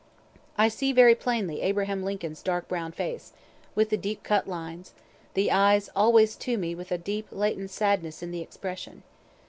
I see very plainly ABRAHAM LINCOLN'S dark brown face, with the deep cut lines, the eyes, always to me with a deep latent sadness in the expression.